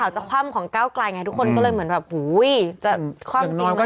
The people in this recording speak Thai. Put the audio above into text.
ใช่ค่ะ